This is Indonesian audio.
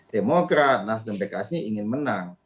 demokrat nas dan pekas ini ingin menang